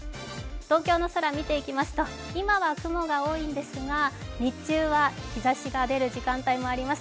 東京の空見ていきますと今は雲が多いんですが日中は日ざしが出る時間帯もあります。